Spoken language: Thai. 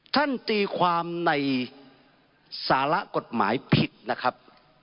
ตีความในสาระกฎหมายผิดนะครับ